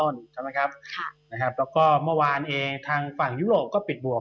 แล้วก็เมื่อวานเองทางฝั่งยุโรปก็ปิดบวก